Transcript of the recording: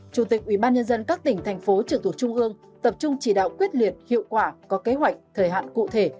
chủ tịch ubnd các tỉnh thành phố trực thuộc trung ương tập trung chỉ đạo quyết liệt hiệu quả có kế hoạch thời hạn cụ thể